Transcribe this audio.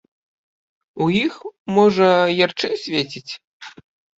У іх, можа, ярчэй свеціць.